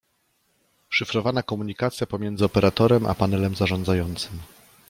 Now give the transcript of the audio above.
Szyfrowana komunikacja pomiędzy Operatorem a panelem zarządzającym